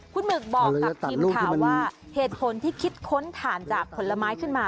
คุณหมึกบอกกับทีมข่าวว่าเหตุผลที่คิดค้นถ่านจากผลไม้ขึ้นมา